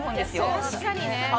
確かにね。